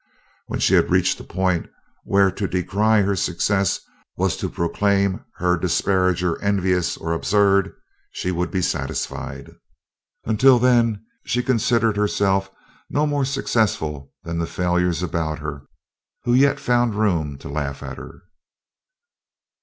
When she had reached a point where to decry her success was to proclaim her disparager envious or absurd, she would be satisfied; until then, she considered herself no more successful than the failures about her who yet found room to laugh at her.